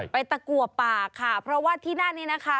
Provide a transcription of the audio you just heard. ไปตะกัวปากค่ะเพราะว่าที่หน้านี้นะคะ